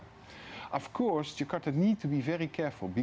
tentu saja jakarta harus sangat berhati hati